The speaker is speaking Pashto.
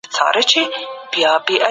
خپل ذهن به د هر ډول کینې څخه پاک ساتئ.